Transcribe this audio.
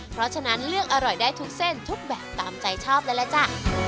เพราะฉะนั้นเลือกอร่อยได้ทุกเส้นทุกแบบตามใจชอบเลยล่ะจ้ะ